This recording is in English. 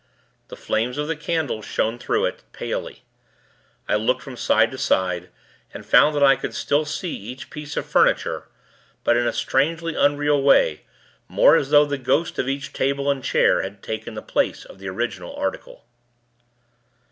The flames of the candles shone through it, palely. I looked from side to side, and found that I could still see each piece of furniture; but in a strangely unreal way, more as though the ghost of each table and chair had taken the place of the solid article.